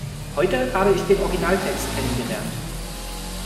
Heute habe ich den Originaltext kennen gelernt.